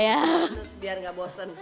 ya tentu biar gak bosen